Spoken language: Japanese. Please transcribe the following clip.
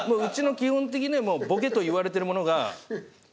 基本的にはボケといわれてるものが。